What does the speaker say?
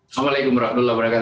assalamualaikum wr wb